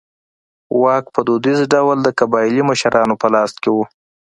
واک په دودیز ډول د قبایلي مشرانو په لاس کې و.